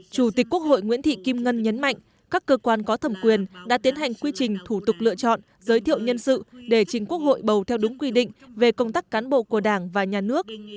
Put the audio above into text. chủ tịch quốc hội nguyễn thị kim ngân nhấn mạnh các cơ quan có thẩm quyền đã tiến hành quy trình thủ tục lựa chọn giới thiệu nhân sự để chính quốc hội bầu theo đúng quy định về công tác cán bộ của đảng và nhà nước